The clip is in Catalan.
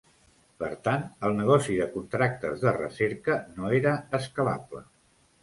Per tant, el negoci de contractes de recerca no era escalable.